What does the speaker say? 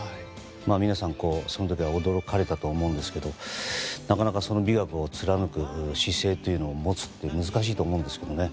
皆さん、その時は驚かれたと思うんですがなかなか、その美学を貫く姿勢というのを持つのは難しいと思うんですけどね。